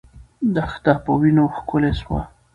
دښته په وینو ښکلې سوه.